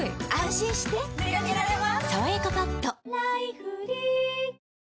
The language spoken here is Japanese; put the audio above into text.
心してでかけられます